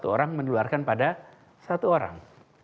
satu orang menularkan pada satu orang